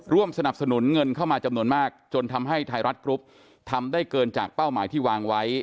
สนับสนุนเงินเข้ามาจำนวนมากจนทำให้ไทยรัฐกรุ๊ปทำได้เกินจากเป้าหมายที่วางไว้